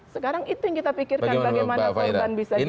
sekarang itu yang kita pikirkan bagaimana korban bisa jadi